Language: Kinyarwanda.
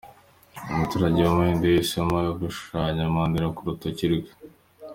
Umuturage w’Umuhindi yahisemo gushushanya Mandela ku rutoki rwe.